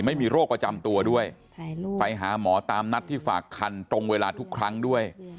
ไม่มีโรคประจำตัวด้วยไปหาหมอตามนัดที่ฝากคันตรงเวลาทุกครั้งด้วย